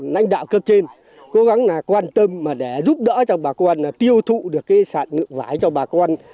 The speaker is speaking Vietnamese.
nhanh đạo cấp trên cố gắng là quan tâm mà để giúp đỡ cho bà con tiêu thụ được cái sản lượng vải cho bà con